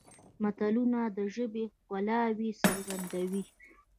متلونه د ژبې ښکلاوې څرګندوي